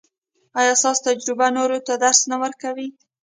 ایا ستاسو تجربه نورو ته درس نه دی؟